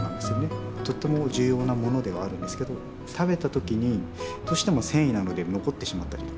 とっても重要なものではあるんですけど食べた時にどうしても繊維なので残ってしまったりとか。